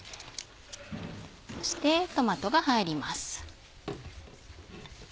そしてトマトが入ります。